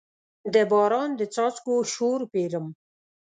د باران د څاڅکو شور پیرم